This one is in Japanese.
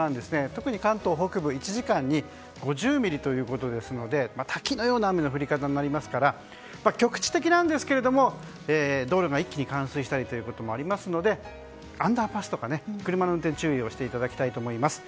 特に関東北部、１時間に５０ミリということですので滝のような雨の降り方になりますから局地的なんですけれども道路が一気に冠水したりということもありますのでアンダーパスとか車の運転に注意していただきたいと思います。